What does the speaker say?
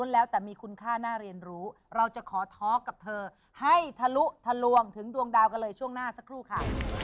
แล้วแต่มีคุณค่าน่าเรียนรู้เราจะขอท้อกับเธอให้ทะลุทะลวงถึงดวงดาวกันเลยช่วงหน้าสักครู่ค่ะ